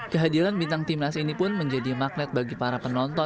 kehadiran bintang timnas ini pun menjadi magnet bagi para penonton